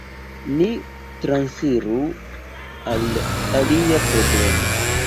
Ni transiru al alia problemo.